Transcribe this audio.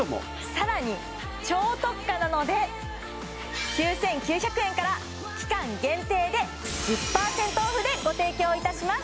さらに超特価なので９９００円から期間限定で１０％オフでご提供いたします